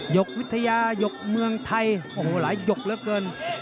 ยกวิทยาหยกเมืองไทยโอ้โหหลายหยกเหลือเกิน